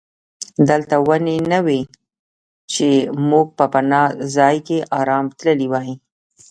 دلته ونې نه وې چې موږ په پناه ځای کې آرام تللي وای.